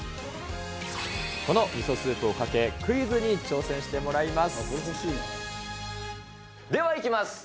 このみそスープをかけ、クイズに挑戦してもらいます。